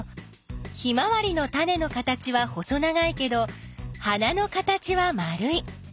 ヒマワリのタネの形は細長いけど花の形は丸い。